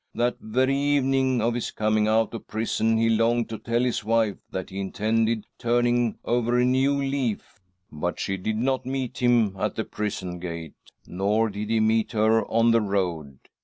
That very evening of his coming out of prison he longed to tell his wife that he intended turning over a new leaf. " But she did not meet him at the prison gate, nor did he meet her on the road.